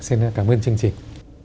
xin cảm ơn chương trình